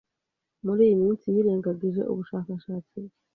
Muri iyi minsi, yirengagije ubushakashatsi bwe.